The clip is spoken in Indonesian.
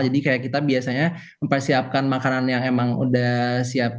jadi kayak kita biasanya mempersiapkan makanan yang emang udah siap